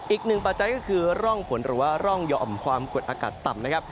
อีกหนึ่งปัจจัยก็คือร่องฝนหรือว่าร่องหยอมความกดอากาศต่ำ